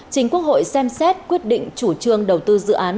chính quốc hội xem xét quyết định chủ trương đầu tư dự án